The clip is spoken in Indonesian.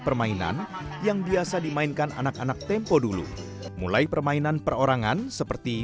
permainan yang biasa dimainkan anak anak tempo dulu mulai permainan perorangan seperti